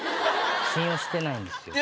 信用してないんですよ